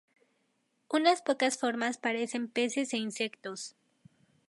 Unas pocas formas parecen peces e insectos.